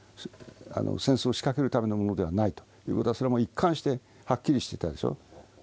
戦争を仕掛けるためのものではないという事はそれは一貫してはっきりしていたでしょう。